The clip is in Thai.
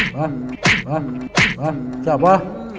ปะปะปะจับปะ